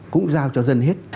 cũng giao cho dân hết